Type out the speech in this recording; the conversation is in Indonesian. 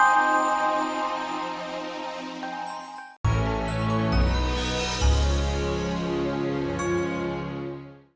ada ada aja ini teatua